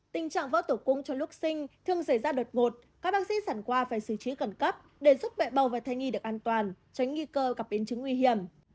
tình trạng vỡ tủ cung trong lúc sinh thường xảy ra đột ngột các bác sĩ sẵn qua phải xử trí cẩn cấp để giúp mẹ bầu và thay nghi được an toàn tránh nghi cơ gặp biến chứng nguy hiểm